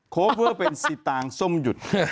โคเวอร์เป็นสิตางค์ส้มหยุด